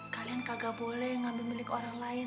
kalian kagak boleh ngambil milik orang lain